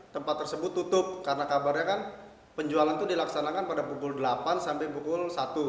tempat tersebut tutup karena kabarnya kan penjualan itu dilaksanakan pada pukul delapan sampai pukul satu